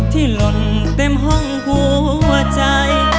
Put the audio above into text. หล่นเต็มห้องหัวใจ